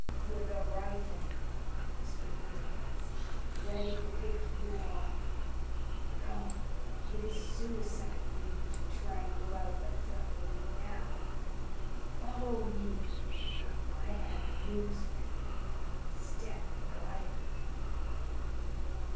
"With a rifle!" whispered Billy Getz. "Ready to pick you off. Come! It is suicide for you to try to go out the front way now. Follow me; I have news for you. Step quietly!"